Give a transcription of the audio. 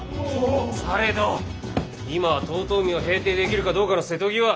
されど今は遠江を平定できるかどうかの瀬戸際。